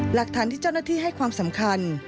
หลักฐานที่เจ้าหน้าที่ให้ความสำคัญ